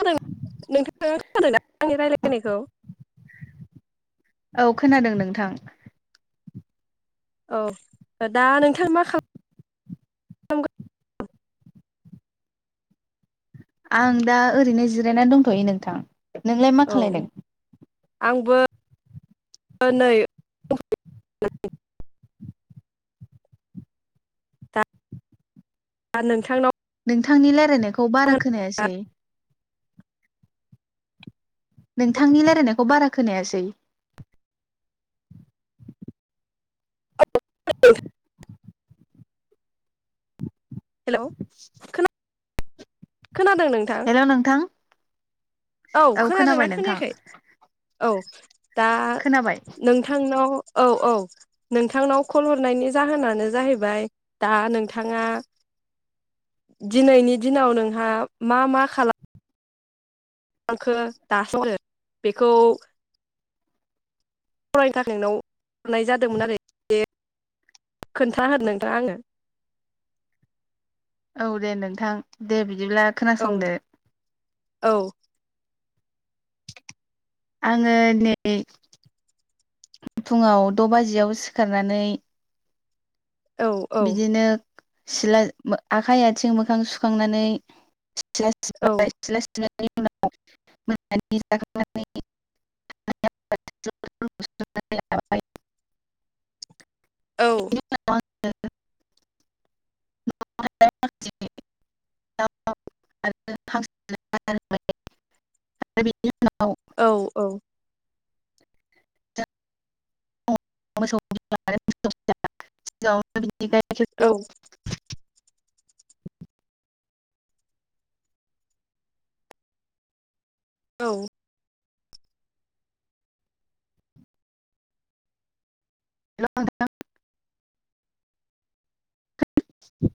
[unintelligible] नोंथांआ खोनोदां ना आंनि रायलाय लायनायखौ? औ खोनादों नोंथां। औ दा नोंथां मा खालाम गोन आं दा ओरैनो जिरायनानै दंथ'यो नोंथां। नोंलाय मा खालायदों? बो नै [unintelligible] दा नोंथांनाव नोंथांनि रायलाय खौ बारा खोनायासै। नोंथांनि रायलायनायखौ बारा खोनायासै। [unintelligible] हेलौ खोना खोनादों नोंथां? हेल' नोंथां औ खोनाबाय खोनादोंना नोंथां खोनायाखै? औ दा खोनाबाय नोंथांनाव औ औ नोंथांनाव कल हरनायनि जाहोनानो जाहैबाय दा नोंथाङा दिनैनि दिनाव नोंहा मा मा खालाम लांखो दासिमबो बेखौ फरायनो थाखाय नोंनाव [unintelligible] जादोंमोन आरो [unintelligible] खोन्थागोन नोंथांङा आंनो औ दे नोंथां दे बि दिब्ला औ खोनासंदो औ आंङो दिनै फुंङाव द' बाजियाव सिखारनानै औ औ बिदिनो सिला आखाइ आथिं मोखां सुखांनानै औ [unintelligible] [unintelligible] औ [unintelligible] आरो [unintelligible] आरो बिनि उनाव औ औ जों [unintelligible] औ [unintelligible] [inaudible] औ हेलौ नोंथां [unintelligible]